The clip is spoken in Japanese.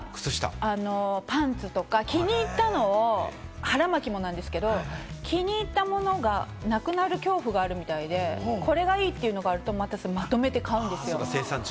靴下とか、パンツとか、腹巻きもなんですけれども、気に入ったものがなくなる恐怖があるみたいで、これがいいというのがあると、まとめて買うんですよ。